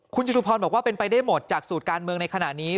คุณจตุพรบอกว่าเป็นไปได้หมดจากสูตรการเมืองในขณะนี้